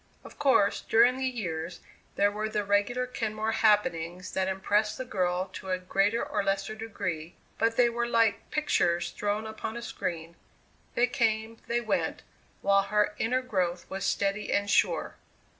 Of course, during the years, there were the regular Kenmore happenings that impressed the girl to a greater or lesser degree, but they were like pictures thrown upon a screen they came, they went, while her inner growth was steady and sure.